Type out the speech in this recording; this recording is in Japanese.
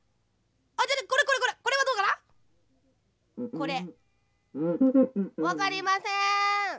これわかりません。